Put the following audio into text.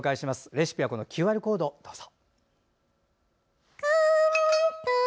レシピはＱＲコードをどうぞ。